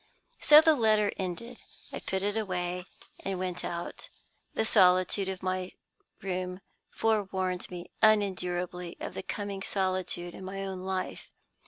So the letter ended. I put it away, and went out. The solitude of my room forewarned me unendurably of the coming solitude in my own life.